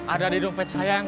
ada di dompet sayang